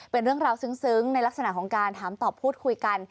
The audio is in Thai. เป็นเรื่องราวซึ้งในลักษณะของการถามตอบพูดคุยกัน